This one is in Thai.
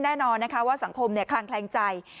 แน่นอนนะคะว่าสังคมคลางแคลงใจ